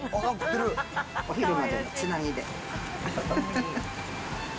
お昼までのつなぎで。